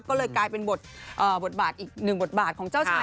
ก็เลยกลายเป็นบทบาทอีกหนึ่งบทบาทของเจ้าชาย